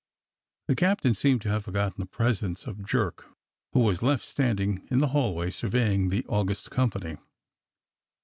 The captain seemed to have forgotten the presence of Jerk, who was left standing in the doorway surveying the august company.